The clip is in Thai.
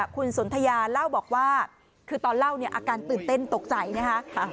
คุณสนทยาเล่าบอกว่าคือตอนเล่าเนี่ยอาการตื่นเต้นตกใจนะคะ